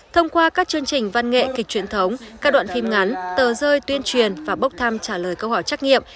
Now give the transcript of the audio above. thông qua các chương trình văn nghệ kịch truyền thống các đoạn phim ngắn tờ rơi tuyên truyền và bốc thăm trả lời câu hỏi trắc nghiệm